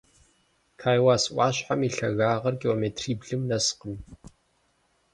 Кайлас ӏуащхьэм и лъагагъыр километриблым нэскъым.